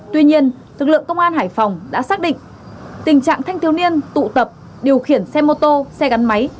tuy nhiên lực lượng công an hải phòng đã xác định tình trạng thanh thiếu niên tụ tập điều khiển xe mô tô xe gắn máy